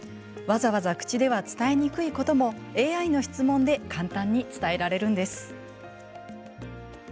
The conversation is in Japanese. わざわざ口では伝えにくいこともＡＩの質問で簡単に伝えられるんです。